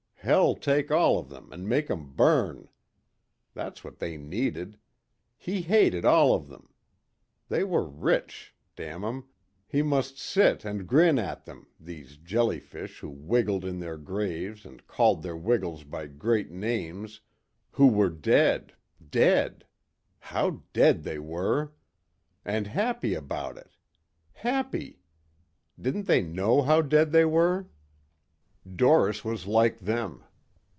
Hell take all of them and make 'em burn. That's what they needed. He hated all of them. They were rich. Damn 'em! He must sit and grin at them, these jellyfish who wiggled in their graves and called their wiggles by great names, who were dead ... dead.... How dead they were! And happy about it! Happy.... Didn't they know how dead they were? Doris was like them.